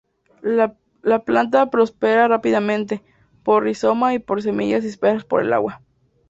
La planta prospera rápidamente, por rizoma y por semillas dispersas por el agua.